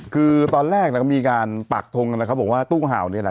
คือตอนแรกก็มีการปากทงกันนะครับบอกว่าตู้เห่านี่แหละ